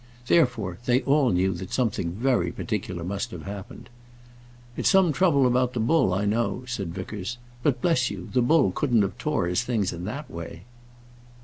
Therefore, they all knew that something very particular must have happened. "It's some trouble about the bull, I know," said Vickers; "but bless you, the bull couldn't have tore his things in that way!"